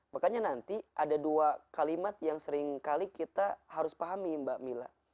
makanya nanti ada dua kalimat yang seringkali kita harus pahami mbak mila